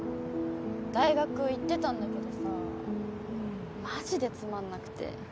大学行ってたんだけどさマジでつまんなくて。